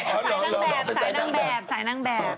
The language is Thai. สายนางแบบ